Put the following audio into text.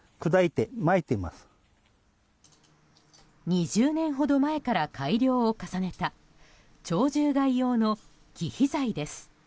２０年ほど前から改良を重ねた鳥獣害用の忌避剤です。